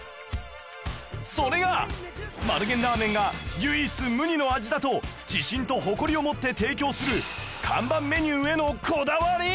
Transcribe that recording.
それが丸源ラーメンが唯一無二の味だと自信と誇りを持って提供する看板メニューへのこだわり